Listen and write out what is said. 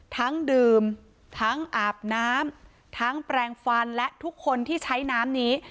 ดื่มทั้งอาบน้ำทั้งแปลงฟันและทุกคนที่ใช้น้ำนี้